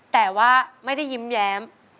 แต่ว่าไม่ได้ยิ้มแย้ม